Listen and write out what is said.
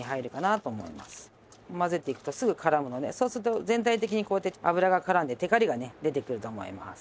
まぜていくとすぐからむのでそうすると全体的にこうやって油がからんでてかりがね出てくると思います。